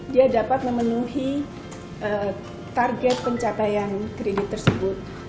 dia dapat memenuhi target pencapaian kredit tersebut